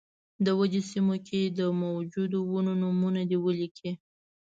د ودې سیمو کې د موجودو ونو نومونه دې ولیکي.